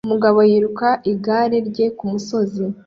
Umugabo yiruka igare rye kumusozi